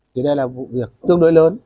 thì đây là vụ việc tương đối lớn